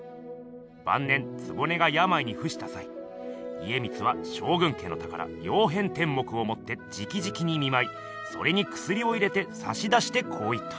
ばん年局がやまいにふしたさい家光は将軍家の宝「曜変天目」をもってじきじきに見まいそれにくすりを入れてさしだしてこう言った。